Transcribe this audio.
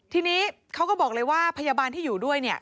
ทีนี้เขาก็บอกเลยว่าพยาบาลที่อยู่ด้วยเนี่ย